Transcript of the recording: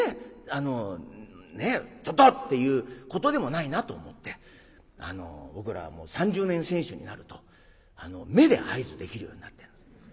あのねえ「ちょっと！」って言うことでもないなと思って僕らもう３０年選手になると目で合図できるようになってるんです。